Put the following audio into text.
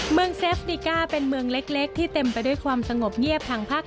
เมืองเซฟติกาเป็นเมืองเล็กที่เต็มไปด้วยความสงบเงียบ